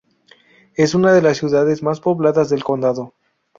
Es una de las ciudades más pobladas del condado.